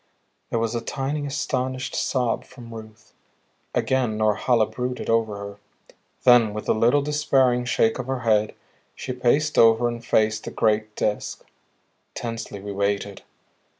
There was a tiny, astonished sob from Ruth. Again Norhala brooded over her. Then with a little despairing shake of her head, she paced over and faced the great Disk. Tensely we waited.